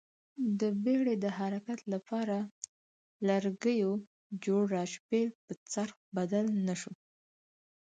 د بېړۍ د حرکت لپاره لرګیو جوړ راشبېل په څرخ بدل نه شو